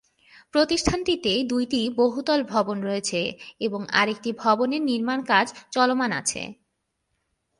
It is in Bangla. প্রতিষ্ঠানটিতে দুইটি বহুতল ভবন রয়েছে এবং আরেকটি ভবনের নির্মাণকাজ চলমান আছে।